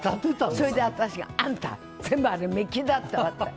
それで私が、あんた全部あれ、メッキだったわ！